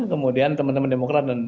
kemudian teman teman demokrat